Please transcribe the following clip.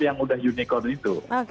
yang udah unicorn itu